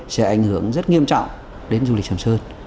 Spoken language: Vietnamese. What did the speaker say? sẽ ảnh hưởng rất nghiêm trọng đến du lịch sầm sơn